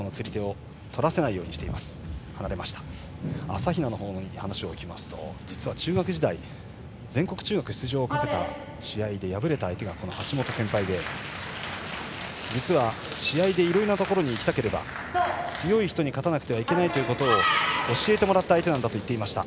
朝比奈のほうに話を聞きますと実は、中学時代全国中学出場をかけた試合で敗れた相手が橋本先輩で実は試合でいろんなところに行きたければ強い人に勝たなくてはいけないということを教えてもらった相手なんだと言っていました。